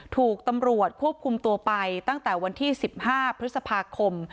ถูกตำรวจควบคุมตัวไปตั้งแต่วันที่๑๕พฤษภาคม